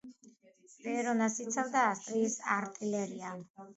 ვერონას იცავდა ავსტრიის არტილერია.